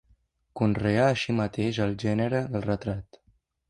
Conreà així mateix el gènere del retrat.